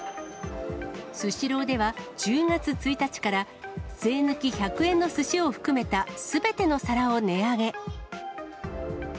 スシローでは、１０月１日から税抜き１００円のすしを含めたすべての皿を値上げ。